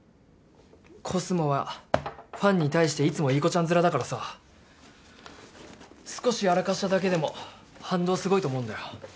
コスモはファンに対していつもいい子ちゃん面だからさ少しやらかしただけでも反動すごいと思うんだよ